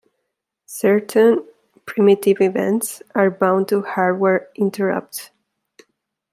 Certain primitive events are bound to hardware interrupts.